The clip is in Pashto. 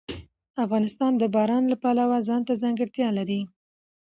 افغانستان د باران د پلوه ځانته ځانګړتیا لري.